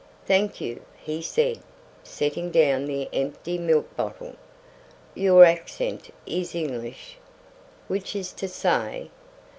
"Thank you," he said, setting down the empty milk bottle. "Your accent is English." "Which is to say?"